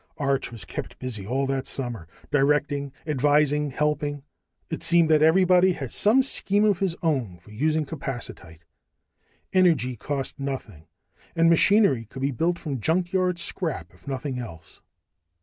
Arch was kept busy all that summer, directing, advising, helping. It seemed that everybody had some scheme of his own for using capacitite. Energy cost nothing, and machinery could be built from junkyard scrap if nothing else.